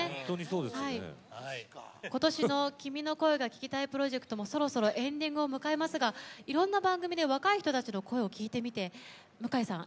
今年の「君の声が聴きたい」プロジェクトもそろそろエンディングを迎えますがいろんな番組で若い人たちの声を聴いてみて向井さん